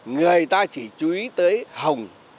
người ta chỉ chú ý tới hồng